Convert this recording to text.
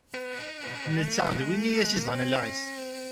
Nettat d win i as-izedɣen allaɣ-is.